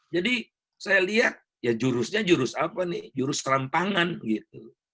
jadi saya lihat ya jurusnya jurus apa nih jurus rampangan gitu